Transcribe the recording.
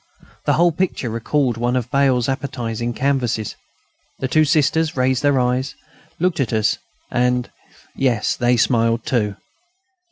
The whole picture recalled one of Bail's appetising canvases. The two Sisters raised their eyes, looked at us and yes, they smiled too.